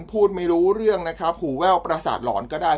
พูดไม่รู้เรื่องนะครับหูแว่วประสาทหลอนก็ได้